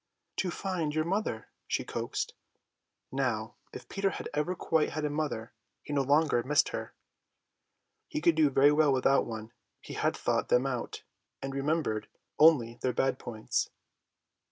"To find your mother," she coaxed. Now, if Peter had ever quite had a mother, he no longer missed her. He could do very well without one. He had thought them out, and remembered only their bad points.